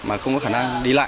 mà không có khả năng đi lại